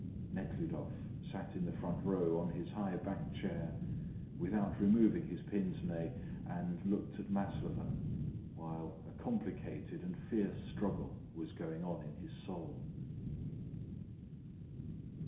Nekhludoff sat in the front row on his high backed chair, without removing his pince nez, and looked at Maslova, while a complicated and fierce struggle was going on in his soul.